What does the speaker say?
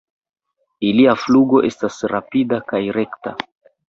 Ilia flugo estas rapida kaj rekta.